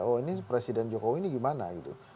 oh ini presiden jokowi ini gimana gitu